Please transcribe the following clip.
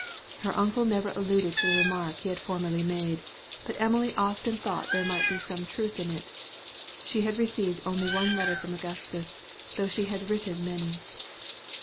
Her uncle never alluded to the remark he had formerly made; but Emily often thought there might be some truth in it. She had received but one letter from Augustus, though she had written many.